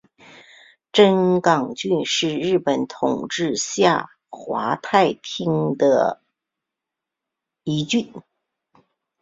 真冈郡是日本统治下桦太厅的一郡。